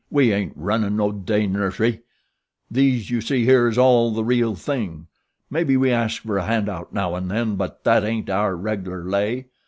"We ain't runnin' no day nursery. These you see here is all the real thing. Maybe we asks fer a handout now and then; but that ain't our reg'lar way.